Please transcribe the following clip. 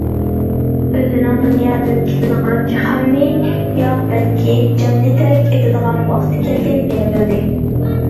ئۆزىنىڭ دۇنيادىن كېتىدىغان، جاھاننى، ياق، بەلكى جاننى تەرك ئېتىدىغان ۋاقتى كەلگەنلىكىنى بىلدى.